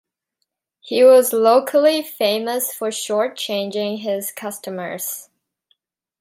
He was locally famous for shortchanging his customers.